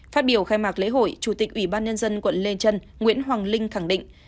phát biểu khai mạc lễ hội chủ tịch ủy ban nhân dân quận lê trân nguyễn hoàng linh khẳng định